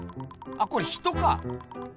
あこれ人か。